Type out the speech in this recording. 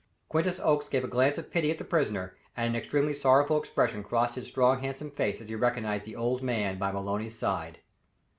Quintus Oakes gave a glance of pity at the prisoner, and an extremely sorrowful expression crossed his strong, handsome face as he recognized the old man by Maloney's side.